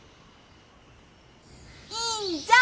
いんじゃ！